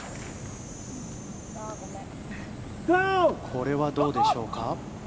これはどうでしょうか。